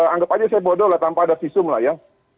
anggap aja saya bodoh lah tanpa ada visum lah ya